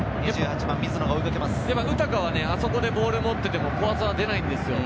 ウタカはそこでボールを持っていても、怖さは出ないんですよ。